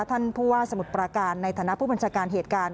ท่านผู้ว่าสมุทรประการในฐานะผู้บัญชาการเหตุการณ์